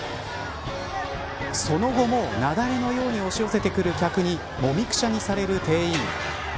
その後も、なだれのように押し寄せてくる客にもみくちゃにされる店員。